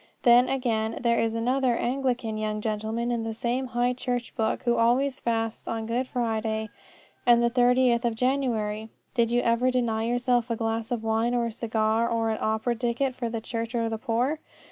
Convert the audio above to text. Then, again, there is another Anglican young gentleman in the same High Church book who always fasts on Good Friday and the Thirtieth of January. Did you ever deny yourself a glass of wine or a cigar or an opera ticket for the church or the poor?